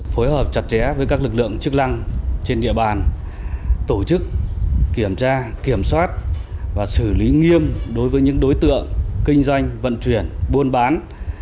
phối hợp chặt chẽ với các lực lượng chức năng trên địa bàn tổ chức kiểm tra kiểm soát và xử lý nghiêm đối với những đối tượng kinh doanh vận chuyển buôn bán